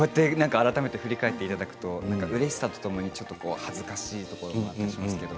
改めて振り返っていただくとうれしさとともに恥ずかしさがありますけど。